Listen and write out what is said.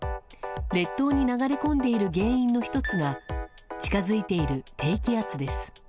列島に流れ込んでいる原因の１つが近づいている低気圧です。